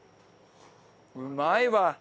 うまいわ！